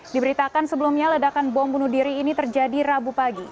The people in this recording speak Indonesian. diberitakan sebelumnya ledakan bom bunuh diri ini terjadi rabu pagi